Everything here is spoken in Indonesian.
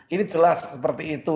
ini jelas seperti itu